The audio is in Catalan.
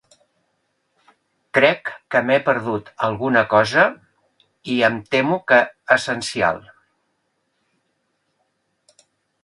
Crec que m'he perdut alguna cosa, i em temo que essencial.